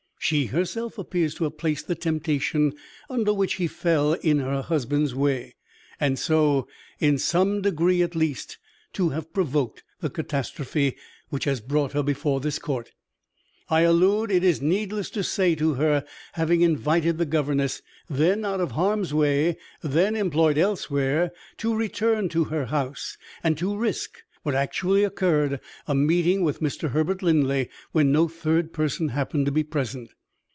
She herself appears to have placed the temptation under which he fell in her husband's way, and so (in some degree at least) to have provoked the catastrophe which has brought her before this court. I allude, it is needless to say, to her having invited the governess then out of harm's way; then employed elsewhere to return to her house, and to risk (what actually occurred) a meeting with Mr. Herbert Linley when no third person happened to be present.